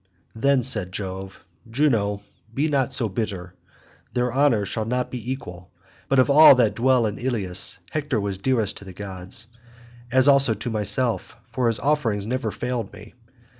Then said Jove, "Juno, be not so bitter. Their honour shall not be equal, but of all that dwell in Ilius, Hector was dearest to the gods, as also to myself, for his offerings never failed me.